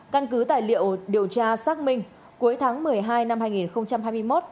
căn cứ tài liệu điều tra xác minh cuối tháng một mươi hai năm hai nghìn hai mươi một